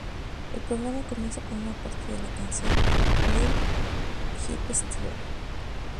El programa comienza con una parte de la canción "Lil' Hipster Girl".